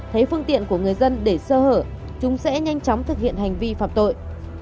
thấy phương tiện của người dân để sơ hở chúng sẽ nhanh chóng thực hiện hành vi phạm tội